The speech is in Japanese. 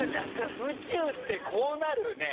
宇宙ってこうなる？ねえ。